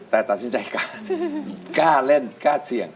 แต่ตัดสินใจกล้าเล่นกล้าเสี่ยง